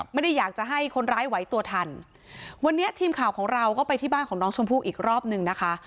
ไม่ได้อยากจะให้คนร้ายไหวตัวทันวันนี้ทีมข่าวของเราก็ไปที่บ้านของน้องชมพู่อีกรอบหนึ่งนะคะ